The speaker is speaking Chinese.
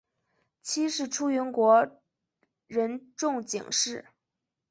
妻是出云国人众井氏。